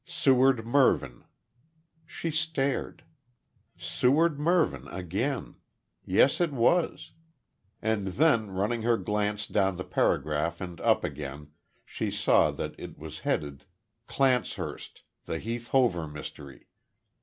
"Seward Mervyn." She stared. "Seward Mervyn" again. Yes it was. And then running her glance down the paragraph and up again, she saw that it was headed: "Clancehurst The Heath Hover Mystery."